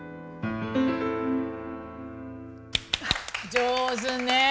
上手ねえ。